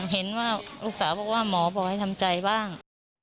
เห็นว่าลูกสาวบอกว่าหมอบอกให้ทำใจบ้าง